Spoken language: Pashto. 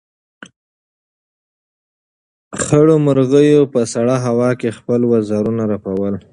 خړو مرغیو په سړه هوا کې خپل وزرونه رپول.